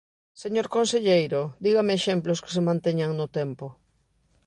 Señor conselleiro, dígame exemplos que se manteñan no tempo.